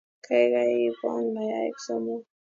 Kaikai ipwon mayaik somok